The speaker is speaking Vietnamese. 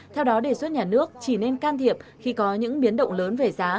theo đó đề xuất nhà nước chỉ nên can thiệp khi có những biến động lớn về giá